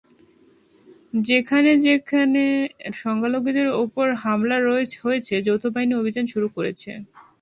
যেখানে যেখানে সংখ্যালঘুদের ওপর হামলা হয়েছে, যৌথ বাহিনী অভিযান শুরু করেছে।